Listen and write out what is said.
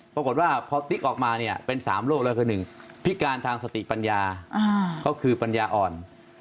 ปรากฏว่าพอติ๊กออกมาเนี่ยเป็น๓โรคแล้วคือ๑พิการทางสติปัญญาก็คือปัญญาอ่อน